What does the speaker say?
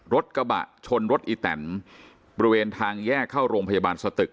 รถกระบะชนรถอีแตนบริเวณทางแยกเข้าโรงพยาบาลสตึก